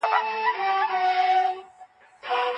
دوی خپله لور د جرم په مقابل کې ورکړه.